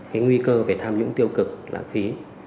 cái nguy cơ về tham nhũng tiêu cực lãng phí